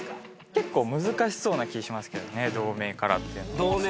結構難しそうな気しますけどね同盟からっていうのは。